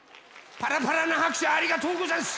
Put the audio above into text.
パラパラなはくしゅありがとうござんす。